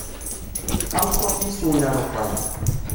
Ansuf yes-wen ar uxxam.